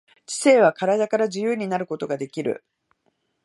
知性は身体から自由になることができる。